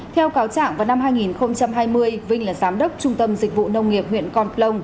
theo cáo trạng vào năm hai nghìn hai mươi vinh là giám đốc trung tâm dịch vụ nông nghiệp huyện con plông